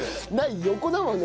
横だもんね